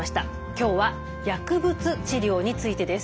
今日は薬物治療についてです。